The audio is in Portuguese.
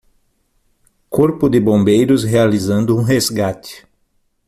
Corpo de bombeiros realizando um resgate.